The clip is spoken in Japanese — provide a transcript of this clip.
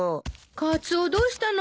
カツオどうしたの？